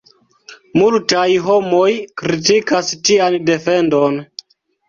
Multaj homoj kritikas tian defendon.